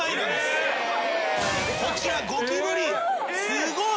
すごい。